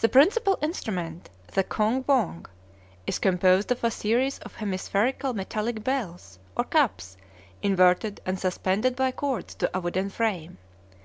The principal instrument, the khong vong, is composed of a series of hemispherical metallic bells or cups inverted and suspended by cords to a wooden frame.